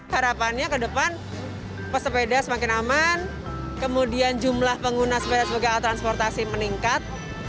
harapannya ke depan pesepeda semakin aman kemudian jumlah pengguna sepeda sebagai alat transportasi meningkat